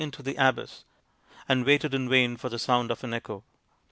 189 into the abyss, and waited in vain for the sound of an echo.